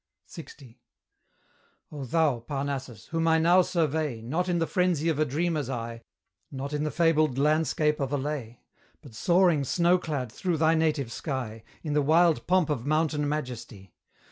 LX. O thou, Parnassus! whom I now survey, Not in the frenzy of a dreamer's eye, Not in the fabled landscape of a lay, But soaring snow clad through thy native sky, In the wild pomp of mountain majesty!